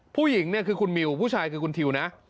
ผู้หญิงเนี่ยคือคุณมิวผู้ชายคือคุณทิวนะ